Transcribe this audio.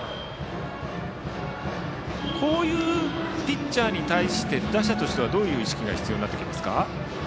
こういうピッチャーに対して、打者としてはどういう意識が必要になってきますか？